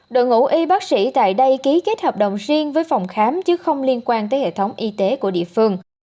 đội ngũ y bác sĩ tại đây ký kết hợp đồng riêng với phòng khám chứ không liên quan tới hệ thống y tế của địa phương